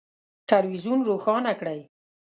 تلویزون روښانه کړئ